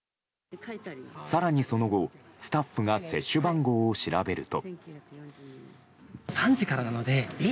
更にその後、スタッフが接種番号を調べると。